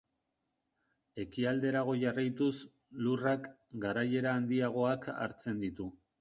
Ekialderago jarraituz, lurrak, garaiera handiagoak hartzen ditu.